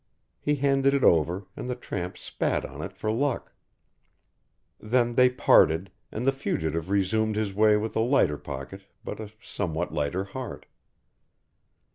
He handed it over, and the tramp spat on it for luck. Then they parted, and the fugitive resumed his way with a lighter pocket but a somewhat lighter heart.